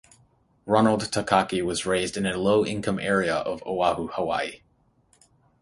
Ronald Takaki was raised in a low-income area of Oahu, Hawaii.